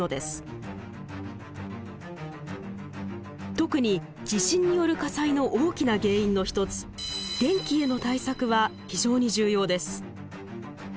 特に地震による火災の大きな原因の一つ電気への対策は非常に重要です。